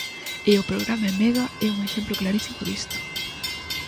E o programa Emega é un exemplo clarísimo disto.